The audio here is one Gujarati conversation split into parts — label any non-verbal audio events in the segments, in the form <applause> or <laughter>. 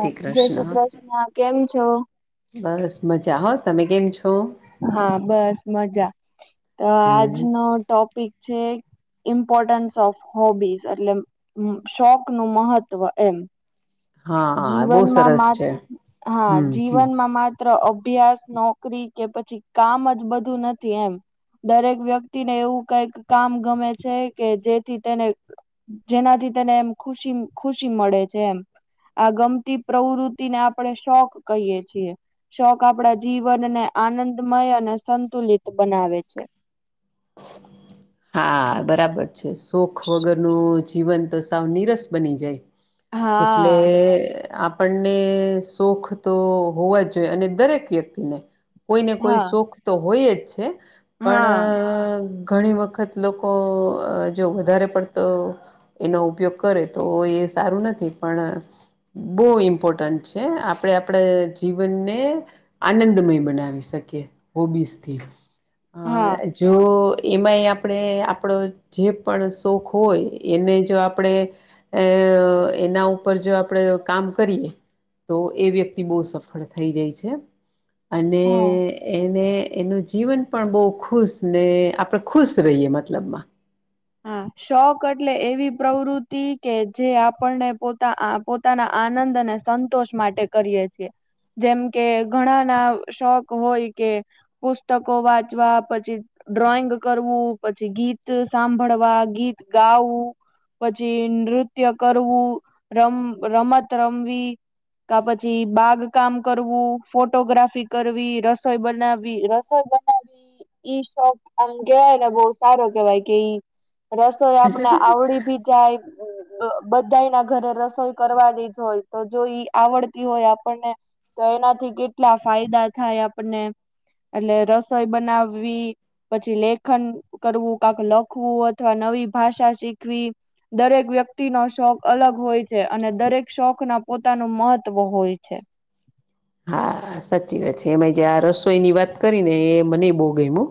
હા જય શ્રી કૃષ્ણ, કૃષ્ણ કેમ છો? બસ મજા હો તમે કેમ છો? હા બસ મજા તો હમ આજનો ટોપિક છે. ઇમ્પોર્ટન્સ ઓફ હોબીસ એટલે શોખ નું મહત્વ એમ હા બહુ જીવનમાં સરસ માત્ છે હા હમ હમ જીવનમાં માત્ર અ અભ્યાસ, નોકરી કે પછી કામ જ બધું નથી એમ દરેક વ્યક્તિ ને એવું કઈક કામ ગમે છે, કે જેથી તેને જેનાથી તને એમ ખુશી ખુશી મળે છે, એમ આ ગમતી પ્રવૃતિને આપણેે શોખ કહીએ છીએ શોખ આપડા જીવનને આનંદમય અને સંતુલિત બનાવે છે. હા બરાબર છે, શોખ વગરનું જીવન તો સાવ નિરસ બની જાય. એટલે. હા આપણને સોખ તો હોવા જ જોઈએ અને દરેક વ્યક્તિને કોઈ ને કોઈ હા શોખ તો હોય જ છે, હા પણ ઘણી વ ખત લોકો અ જો વધારે પડતો એનો ઉપયોગ કરે તો એ સારું ન થી પણ બો ઇમ્પોર્ટન્ટ છે, આપણેે આપણે જીવનને આનંદમય બનાવી શક કીયે હોબીસથી હા અ જો એમાંય આ આપણે આપણો જે પણ શોખ હોય એને જો આપણે એ એના ઉપર જો આપડે કામ કરીએ. તો એ વ્યક્તિ બો સફળ થઈ જાય છે. અને હા એને એનું જીવન પણ બો ખુશ ને આપણે ખુશ રહીએ મતલબમાં હા શોક એટલે એવી પ્રવૃતિ કે જે આપણને પોતા આ પોતાના આનંદ અને સંતોષ માટે કરીએ છીએ. જેમ કે ઘણાના શોખ હોય કે પુસ્તકો વાંચવા પછી ડ્રોઈંગ કરવું પછી ગીત સાંભળવા ગીત ગાવું પછી નૃત્ય કરવું રમ રમત રમવી કા પછી બાગકામ કરવું ફોટોગ્રાફી કરવી રસોઈ બનાવવી રસોઈ બનાવી ઈ શોખ આમ કેવાય ને બોવ સારો કેવાય કે રસોઈ આપને આવડી ભી જાય બધાય ના ઘરે રસોઈ કરવાની જ હોય તો જો ઈ આવડતી હોય આપણને તો એનાથી કેટલા ફાયદા થાય આપણને એટલે રસોઈ બનાવવી પછી લેખન કરવું કા લખવું અથવા નવી ભાષા શીખવી દરેક વ્યક્તિ નો શોખ અલગ હોય છે, અને દરેક શોખના પોતાનું મહત્વ હોય છે. <inaudible> હા સાચી વાત છે, એમાંય જે આ રસોઈની વાત કરી ને એ મને બો ગયમું.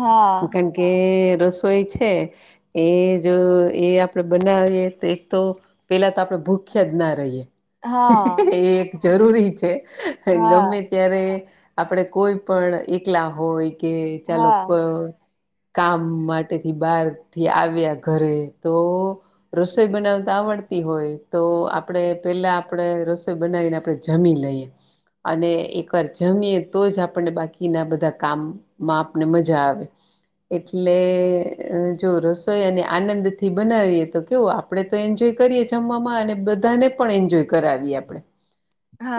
હા કાણકે રસોઈ છે, એ જો એ આપડે બનાવીએ તો એક તો પેલા તો આપડે ભૂખ્યાજ ના રહીએ. હા એ એક જરૂરી છે હા હા ગમે ત્યારે આપડે કોઈ પણ એકલા હોય કે ચાલો હા કો કામ માટેથી બારથી આવ્યા ઘરે તો રસોઈ બનાવતા આવ ડતી હોય તો આપણે પેલા આપણે રસોઈ બનાવીને આપણે જમી લઈએ. અને એકર જમીય તો જ આપને બાકીના બધા કામમાં આપને મજા આવે. <inaudible> એટલે જો રસોઈને આનંદથી બનાવીએ તો કેવું આપડે તો એન્જોય કરીએ જમવામાં અને બધાને પણ એન્જોય કરાવીએ આપણે.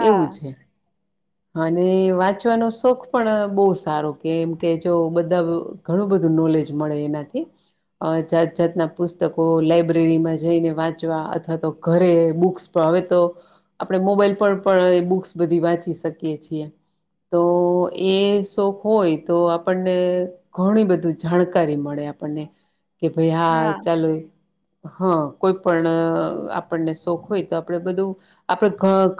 એવું છે અને વાંચવાનો શોખ પણ બહુ સારો કેમ કે જો બધા ઘણું બધું નોલેજ મળે એનાથી. અ જાત જાતના પુસ્તકો લાઈબ્રેરીમાં જઈને વાંચવા અથવા તો ઘરે બુક્સ પ હવે તો આપણે મોબાઈલ પર પણ એ બુક્સ બધી વાંચી શકીએ છીએ. તો એ શોખ હોય તો આપણને ઘણી બધી જાણકારી મળે. આપણને કે ભાઈ હા ચાલો હા કોઈ પણ આપણને શોખ હોય તો આપણેે બધું આપડે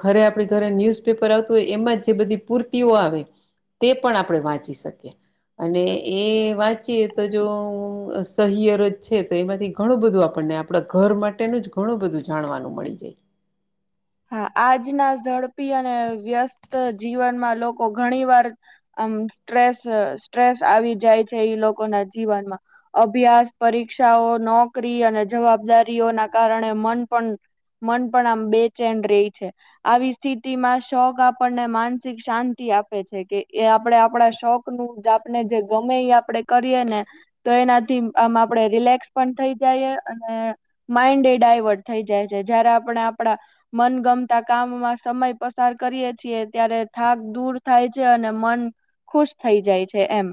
ઘરે આપણે ઘરે ન્યુઝપેપર આવતું હોય એમાં જે બધી પૂર્તિઓ આવે તે પણ આપણે વાંચી શકીએ. અને એ વાંચીએ તો જો સહિયરજ છે તો એમાંથી ઘણું બધું આપડ ને આપણા ઘર માટેનું જ ઘણું બધું જાણવાનું મળી જાય. <inaudible> આજના ઝડપી અને વ્યસ્ત જીવનમાં લોકો ઘણી વાર આમ સ્ટ્રેસ સ્ટ્રેસ આવી જાય છે લોકો ના જીવનમાં અભ્યાસ, પરીક્ષાઓ, નોકરી અને જવાબદારીઓ ના કારણે મન પણ મન પણ આમ બે રહી છે, આવી સ્થિતિમાં શોખ આપણને માનસિક શાંતિ આપે છે કે એ આપડે આપડા શોખ નું આપને જે ગમે આપડે કરીએ ને તો એનાથી આમ આપડે રિલેક્સ પણ થઈ જાય અને માઇન્ડ એ ડાયવર્ટ થઈ જાય છે, જયારે આપણે આપડા મનગમતા કામમાં સમય પસાર કરીય છીએ ત્યારે થાક દૂર થાય છે, અને મન ખુશ થઈ જાય છે એમ.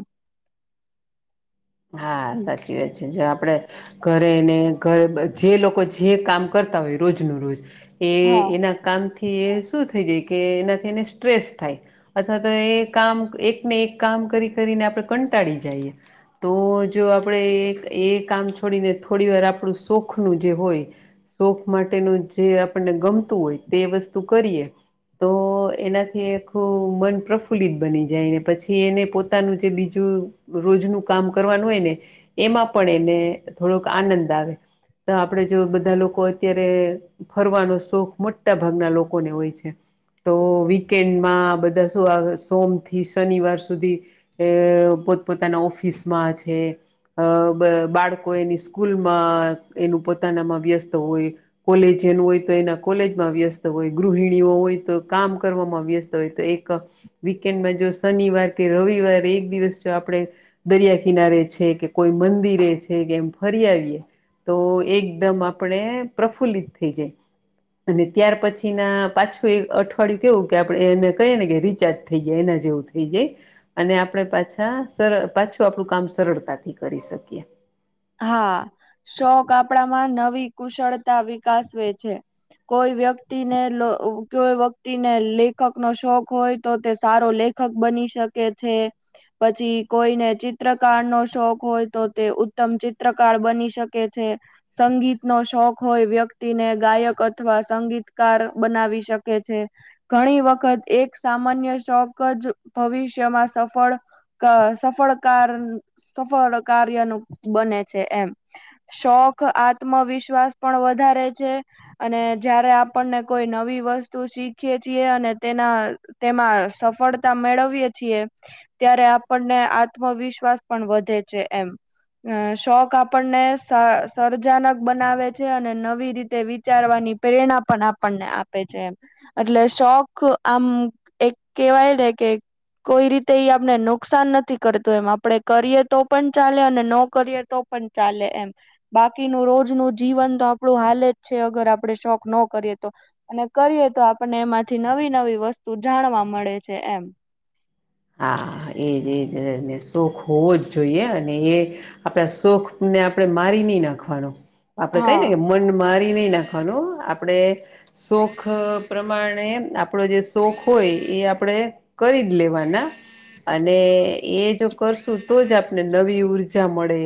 હા સાચી વાત છે. જે આપણે ઘરેને ઘરે જે લોકો જે કામ કરતા હોય રોજનું રોજ એ હા એના કામથી એ શું થઈ જાય કે એનાથી એને સ્ટ્રેસ થાય અથવા તો એ કામ એકને એક કામ કરી કરી આપણે કંટાળી જઈએ. તો જો આપણેે એ કામ છોડીને થોડી વાર આપણું શોખનું જે હોય શોખ માટેનું જે આપણને ગમતું હોય તે વસ્તુ કરીએ. તો એનાથી આખું મન પ્રફુલ્લિત બની જાય, ને પછી એને પોતાનું જે બીજું રોજનું કામ કરવાનું હોય ને એમાં પણ એને થોડોક આનંદ આવે. તો આપણેે જો બધા લોકો અત્યારે ફરવાનો શોખ મોટા ભાગના લોકોને હોય છે. તો વીકેન્ડમાં બધા શું સોમથી શનિવાર સુધી અ પોત પોતાના ઓફિસ મા છે, અ બાળકો એની સ્કૂલમાં એનું પોતાનામાં વ્યસ્ત હો હોય કોલેજ હોય તો એના કોલેજમાં વ્યસ્ત હોય, ગૃહિણીઓ હોય તો કામ કરવામાં વ્યસ્ત હોય, તો એક વીકેન્ડમાં જો શનિવાર કે રવિવાર એક દિવસ જો આપણે દરિયા કિનારે છે, કે કોઈ મંદિરે છે, કે એમ ફરી આવીએ તો એકદમ આપણે પ્રફુલ્લિત થઈ જાય. અને ત્યાર પછી ના પાછું એક અઠવાડિયું કેવું કે આપડે એને કહીએ ને કે રિચાર્જ થઈ જાય એન જેવું થઈ જાય અને આપણે પાછા સર પાછ તો આપણું કામ સરળતાથી કરી શકીએ. હા શોક આપડામાં નવી કુશળતા વિકાસવે છે કોઈ વ્યક્તિને કોઈ વ્યક્તિને લેખક નો શોખ હોય તો તે સારો લેખ લેખક બની શકે છે પછી કોઈને ચિત્રકાર નો શોખ હોય તો તે ઉત્તમ ચિત્રકાર બની શકે છે સંગીત નો શોખ હોય વ્યક્તિને ગાયક અથવા સંગીતકાર બનાવી શકે છે ઘણી વખત એક સામાન્ય શોક જ ભવિષ્યમાં સફળ સફળ કાર સફળ કાર્યનું બને છે એમ શોખ આત્મવિશ્વાસ પણ વધારે છે અને જયારે આપણને કોઈ નવી વસ્તુ શીખીએ છીએ અને તેના તેમાં સફળતા મેળવીએ છીએ ત્યારે આપણને આત્મવિશ્વાસ પણ વધે છે એમ અ શોખ આપણને સરર્જનક બનાવે છે અને નવી રીતે વિચારવાની પ્રેરણા પણ આપણને આપે છે એમ એટલે શોખ આમ એક કેવાય રે કે કોઈ રીતે એ આપણે નુકસાન નથી કરતું એમ આપડે કરીએ તો પણ ચાલે અને નો ય તો પણ ચાલે એમ બાકીનું રોજ ન જીવન તો આપણું હાલ જ છે અગર આપડ ન કરીએ તો અને કરીએ તો આપને એમાંથી નવી નવી વસ્તુ જાણવા મળે છે એમ હા એજ એજ સુખ હોવો જ જોઈએ અને એ આપણા સુખ આપણે મારી નહી નાખવાનું આપડે હા કઈને મન મારી નહી નાખવાનું આપણે શોખ પ્રમાણે આપડો જે શોખ હોય એ આપણેે કરી જ લેવાના અને એ જો કરશુ તો જ આપને નવી ઉર્જા મળે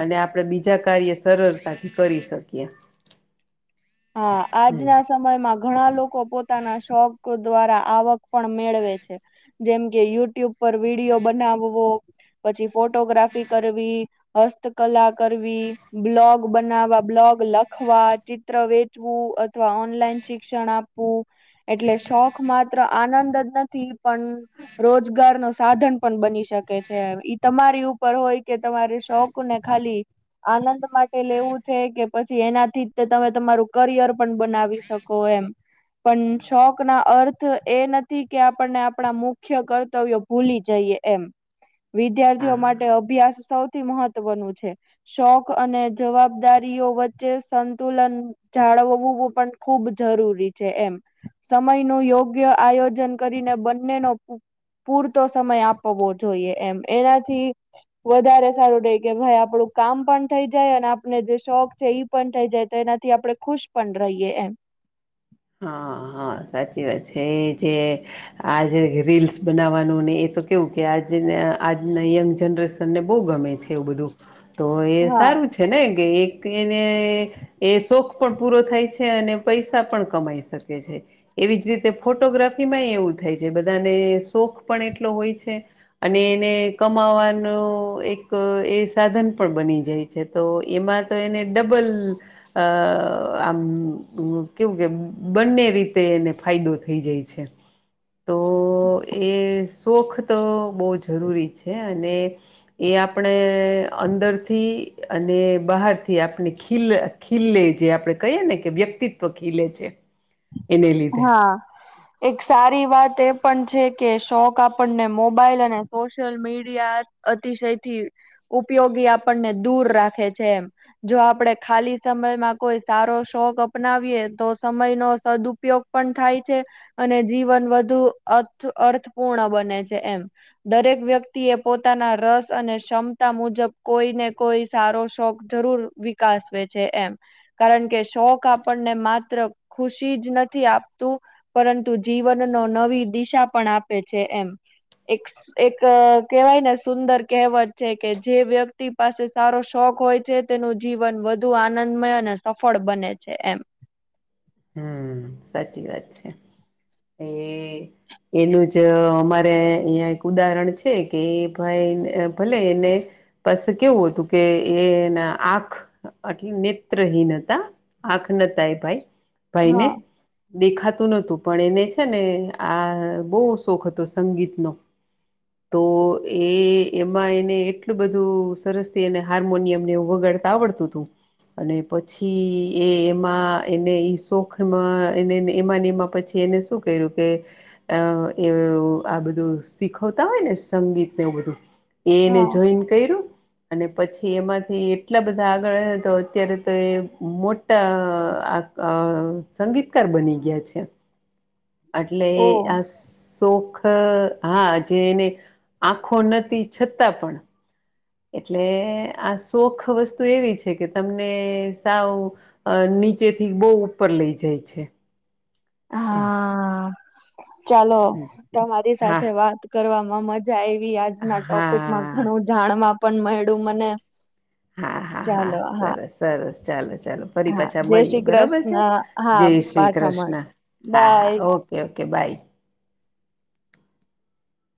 અને આપણેે બીજા કાર્ય સરળતાથી કરી શકીએ હા હમ આજના સમયમાં ઘણા લોકો પોતાના શોખ દ્વારા આવક પણ મેળવે છે જેમકે યુટ્યુબ ઉપ વિડીિયો બનાવવો પછી ફોટોગ્રાફી કરવી હસ્તકલા કરવી બ્લોગ બનાવા બ્લોગ લખવા વેચવું અથવા ઓનલાઈન શિક્ષણ આપવું એટલે શોખ માત્ર આનંદ નથી પણ રોજગાર નો સાધન પણ બની શકે છે. ઈ તમારી ઉપર હોય. કે તમારે શોખ ને ખાલી આનંદ માટે લેવું છે. કે પછી એનાથી. તમે તમારું કરિયર પણ બનાવી શકો એમ પણ શોખ ના અર્થ એ નથી કે આપણને આપણા મુખ્ય કર્તવ્યો ભૂલી જઈએ એમ વિદ્યાર્થીઓ હા માટે અભ્યાસ. સૌથી મહત્વનું છે. શોખ અને જવાબદારીઓ વચ્ચે તુલન જાળવ પણ ખૂબ જરૂરી છે. એમ સમય ન યોગ્ય આ આયોજન કરીને બંને નો પૂરતો સમય આપવો જોઈએ એમ એનાથી વધારે સારું રઈ કે ભાઈ આપણું. કામ પણ થઈ જાય અને આપને જે શોખ છે. ઈ પણ થઈ જાય તો એનાથી આપણે ખુશ પણ રહીએ એમ હા હા સાચી વાત છે એ જે આજે રીલ્સ બનાવવાનું ને એ તો કેવું કે આજના આજના યંગ જનરેશન બહુ ગમે છે. એવું બધું તો એ હા સારું છે. ને એક એને એ શોખ પણ પૂરો થાય છે. અને પૈસા પણ છે. એવી જ રીતે ફોટોગ્રાફીમાં એવું થાય છે. બધાને શોખ પણ એટલો હોય છે. અને એને કમાવાનો એક એ સાધન પણ બની જાય છે. છે. તો એમાં તો એને ડબલ આમ કેવું કે બંને રીતે એને ફાયદો થઈ જાય છે. તો એ શોખ તો બહુ જરૂરી છે. અને એ આપણે અંદરથી અને બહાર થી આપણે ખીલ ખીલે જે આપડે કહીએ ને કે વ્યક્તિત્વ ખીલે છે. એને લીધે. હા એક સારી વાત એ પણ છે. કે શોખ આપણને મોબાઈલ અને સોશિયલ મીડિયા અતિશય થી ઉપયોગી આપણને દૂર રાખે છે. એમ જો આપડે ખાલી સમયમાં કોઈ સારો શોખ અપનાવીએ તો સમય નો સદુપયોગ. ઉપયોગ પણ થાય છે, અને જીવન વધુ અર્થપૂર્ણ બને છે એમ. દરેક વ્યક્તિ એ પોતાના રસ અને ક્ષમતા મુજબ કોઈ ને કોઈ સારો શોખ જરૂર વિકાસ છે એમ, કારણ કે શોખ આપણને માત્ર ખુશી જ નથી. આપતું, પરંતુ જીવનનો નવી દિશા પણ આપે છે એમ. એક એક કેહેવાય ને સુંદર કહેવત છે કે જે વ્યક્તિ પાસે સારો શોખ હોય છે તેનું જીવન વધુ આનંદમય અને સફળ બને છે એમ. હમ સાચી વાત છે, એ એનું જ અમારે અહીંયા એક ઉદાહરણ છે કે ભાઈ ભલે એને. બસ કેવું હતું કે એ ના આંખ એટલે નેત્રહીન હતા, આંખ નોતી એ ભાઈ ભાઈને. હા દેખાતું નહોતું પણ એને છે ને આ બહુ શોખ હતો સંગીતનો. તો એ એમાં એને એટલું બધું સરસ થી એને હાર્મોનિયમ નેું વગાડતાં આવડતું હતું, અને પછી એ એમાં એને શોખમાં એને એમાંને એમાં પછી એને શું કર્યું કે, એ આ બધું શીખો હોય ને સંગીત ને એવું બધું, એને હા જોઈન કર્યું. અને પછી એમાંથી એટલા બધા આગળ તો અત્યારે તો એ મોટા આ સંગીત બની ગયા છે, એટલે ઓ આ શોખ હા જે એને, આખો નથી છતાં પણ. એટલે આ શોખ વસ્તુ એવી છે કે તમને સાવ. નીચેથી બહુ ઉપર લઈ જાય છે. એમ હા. ચાલો તમારી હા સાથે વાત કરવામાં મજા આવી. આજના ટોપિકમાં હા ઘણું જાણવા પણ મળ્યું મને. હા હા હા સરસ સરસ ચાલો. ચાલો ફરી હા પાછા જય મળીએ શ્રી બરોબર કૃષ્ણ છે, હા જય શ્રી પાછા કૃષ્ણ મળ હા હા bye okay okay. Okay by.